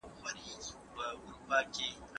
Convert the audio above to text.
باید ټولو ماشومانو ته د زده کړې زمینه برابره شي.